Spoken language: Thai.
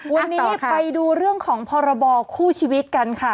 วันนี้ไปดูเรื่องของพรบคู่ชีวิตกันค่ะ